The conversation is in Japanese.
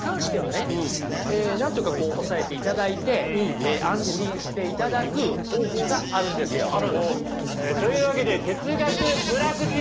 なんとか抑えていただいて安心していただく方法があるんですよ。というわけで哲学プラクティス！